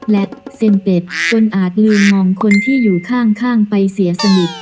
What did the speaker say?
และเซ็นเป็ดจนอาจลืมมองคนที่อยู่ข้างไปเสียสนิท